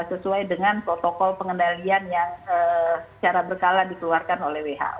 sesuai dengan protokol pengendalian yang secara berkala dikeluarkan oleh who